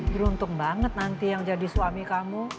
beruntung banget nanti yang jadi suami kamu